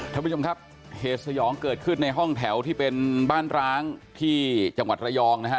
ท่านผู้ชมครับเหตุสยองเกิดขึ้นในห้องแถวที่เป็นบ้านร้างที่จังหวัดระยองนะฮะ